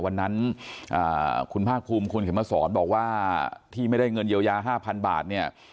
วันนั้นคุณภาคภูมิคุณเข็มมาสอนบอกว่าที่ไม่ได้เงินเยียวยา๕๐๐บาทเนี่ย